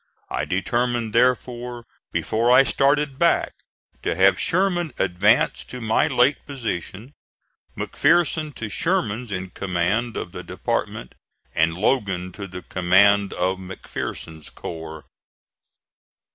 I determined, therefore, before I started back to have Sherman advanced to my late position, McPherson to Sherman's in command of the department, and Logan to the command of McPherson's corps.